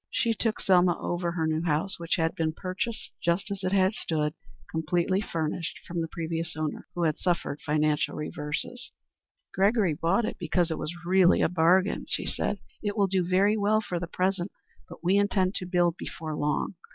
She took Selma over her new house, which had been purchased just as it stood, completely furnished, from the previous owner, who had suffered financial reverses. "Gregory bought it because it was really a bargain," she said. "It will do very well for the present, but we intend to build before long.